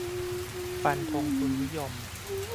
'ฟันธงทุนนิยม'